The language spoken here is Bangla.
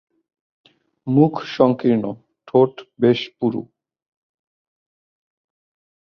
মুখ সংকীর্ণ, ঠোঁট বেশ পুরু।